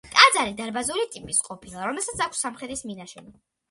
ტაძარი დარბაზული ტიპის ყოფილა, რომელსაც აქვს სამხრეთის მინაშენი.